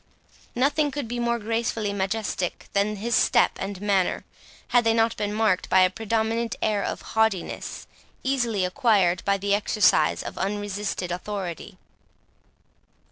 Nothing could be more gracefully majestic than his step and manner, had they not been marked by a predominant air of haughtiness, easily acquired by the exercise of unresisted authority.